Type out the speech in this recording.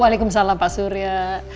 waalaikumsalam pak surya